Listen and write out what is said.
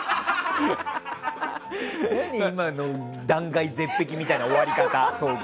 何、今の断崖絶壁みたいな終わり方。